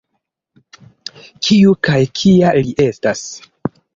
Kiu kaj kia li estas?